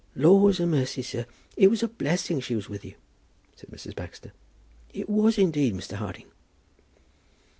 "Laws amercy, sir, it was a blessing she was with you," said Mrs. Baxter; "it was, indeed, Mr. Harding."